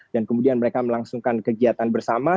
dan kemudian mereka melangsungkan kegiatan bersama